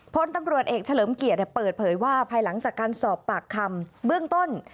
พลตำรวจเอกเฉลิมเกียรติเปิดเผยว่าภายหลังจากการสอบปากคำเบื้องต้น